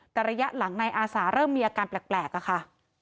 แต่ระยะหลังนายอาสาเริ่มมีอาการแปลกอะค่ะ